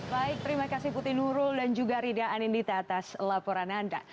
baik terima kasih putri nurul dan juga rida anindita atas laporan anda